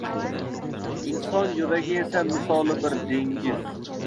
Inson yuragi esa misoli bir dengiz.